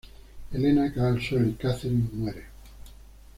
Elena cae al suelo y Katherine muere.